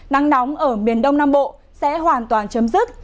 nắng nóng ở miền đông nam bộ sẽ hoàn toàn chấm dứt